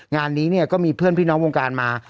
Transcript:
งานนี้เนี่ยก็มีเพื่อนพี่น้องวงการมา